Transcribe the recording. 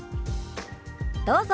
どうぞ。